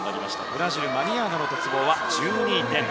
ブラジル、マリアーノの鉄棒は１２．８６６。